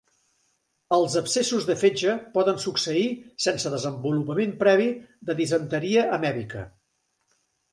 Els abscessos de fetge poden succeir sense desenvolupament previ de disenteria amèbica.